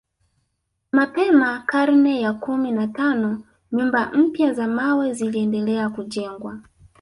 Mapema karne ya kumi na tano nyumba mpya za mawe ziliendelea kujengwa